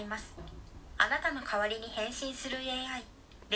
あなたの代わりに返信するＡＩ。